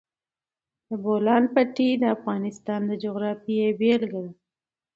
د بولان پټي د افغانستان د جغرافیې بېلګه ده.